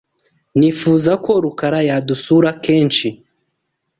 Nifuzaga ko Rukara yadusura kenshi.